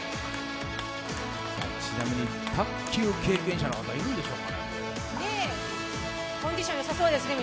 ちなみに卓球経験者の方いるんでしょうかね。